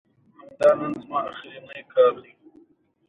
یوه شپه ډاکټر حشمت